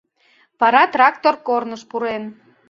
Вара трактор корныш пурен.